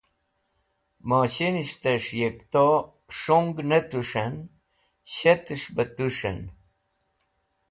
Moshinishtẽs̃h yikto s̃hung ne tũshẽn shetẽs̃h bẽ pũs̃hẽn